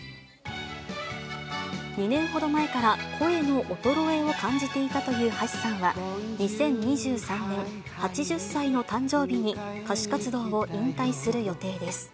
２年ほど前から声の衰えを感じていたという橋さんは、２０２３年、８０歳の誕生日に歌手活動を引退する予定です。